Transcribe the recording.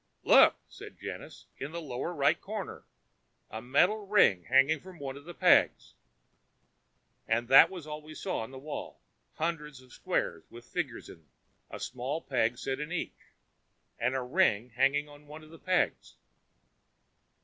"Look," said Janus. "In the lower right corner a metal ring hanging from one of the pegs." And that was all we saw on the wall. Hundreds of squares with figures in them a small peg set in each and a ring hanging on one of the pegs.